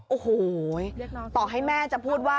โอ้โหต่อให้แม่จะพูดว่า